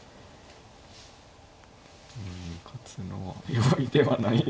勝つのは容易ではない。